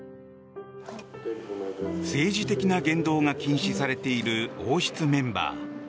政治的な言動が禁止されている王室メンバー。